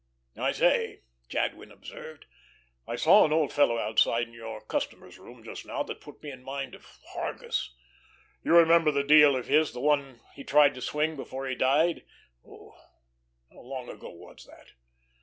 "I say," Jadwin observed, "I saw an old fellow outside in your customers' room just now that put me in mind of Hargus. You remember that deal of his, the one he tried to swing before he died. Oh how long ago was that?